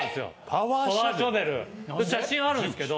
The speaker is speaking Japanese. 写真あるんですけど。